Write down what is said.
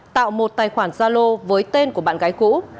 tạo một tài khoản gia lô với tên của bạn gái cũ